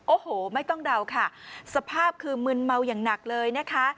โอ้โหไม่ต้องเดาค่ะสภาพคือมึนเมาอย่างหนักเลยนะคะ